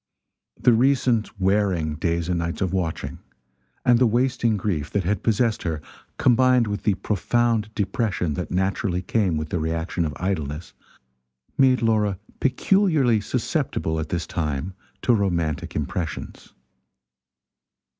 The recent wearing days and nights of watching, and the wasting grief that had possessed her, combined with the profound depression that naturally came with the reaction of idleness, made Laura peculiarly susceptible at this time to romantic impressions.